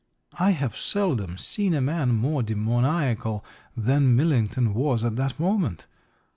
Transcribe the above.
I have seldom seen a man more demoniacal than Millington was at that moment.